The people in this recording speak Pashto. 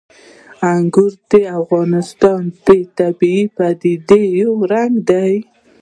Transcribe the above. انګور د افغانستان د طبیعي پدیدو یو رنګ دی.